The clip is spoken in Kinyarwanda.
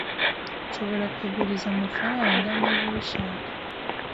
Nshobora kuguriza amafaranga niba ubishaka.